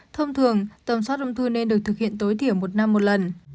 thông thường tầm soát ung thư nên được thực hiện tối thiểu một năm một lần